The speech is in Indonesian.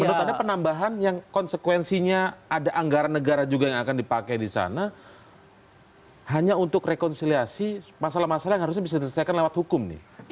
menurut anda penambahan yang konsekuensinya ada anggaran negara juga yang akan dipakai di sana hanya untuk rekonsiliasi masalah masalah yang harusnya bisa diselesaikan lewat hukum nih